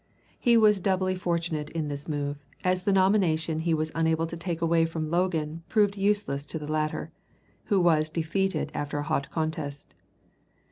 He was doubly fortunate in this move, as the nomination he was unable to take away from Logan proved useless to the latter, who was defeated after a hot contest.